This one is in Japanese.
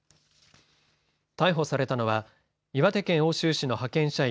逮捕されたのは岩手県奥州市の派遣社員